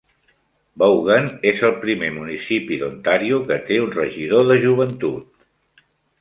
Vaughan és el primer municipi d'Ontario que té un regidor de Joventut.